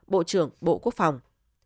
bộ trưởng bộ quốc phòng